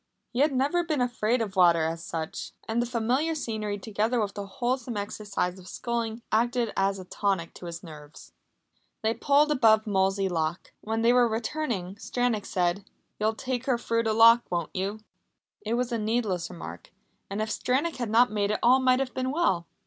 He had never been afraid of water, as such. And the familiar scenery, together with the wholesome exercise of sculling, acted as a tonic to his nerves. They pulled above Molesey lock. When they were returning, Stranack said: "You'll take her through the lock, won't you?" It was a needless remark, and if Stranack had not made it all might have been well.